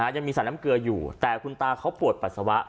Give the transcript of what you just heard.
ยังมีสารน้ำเกลืออยู่แต่คุณตาเขาปวดปัสสาวะ